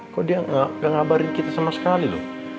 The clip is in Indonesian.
kok dia gak ngabarin kita sama sekali loh